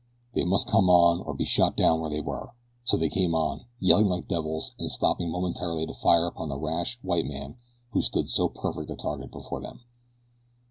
They must come on or be shot down where they were, so they came on, yelling like devils and stopping momentarily to fire upon the rash white man who stood so perfect a target before them.